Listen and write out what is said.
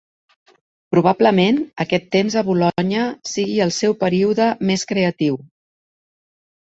Probablement, aquest temps a Bolonya sigui el seu període més creatiu.